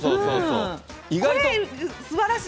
これ、すばらしい。